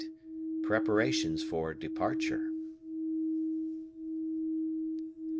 Preparations for Departure.